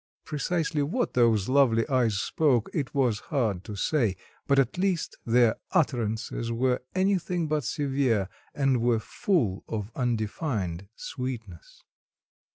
precisely what those lovely eyes spoke, it was hard to say; but at least their utterances were anything but severe, and were full of undefined sweetness.